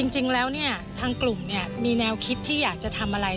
จริงแล้วทางกลุ่มมีแนวคิดที่อยากจะทำอะไร